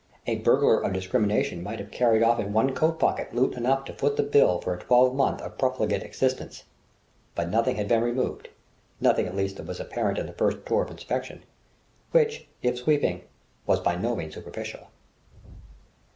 A burglar of discrimination might have carried off in one coat pocket loot enough to foot the bill for a twelve month of profligate existence. But nothing had been removed, nothing at least that was apparent in the first tour of inspection; which, if sweeping, was by no means superficial.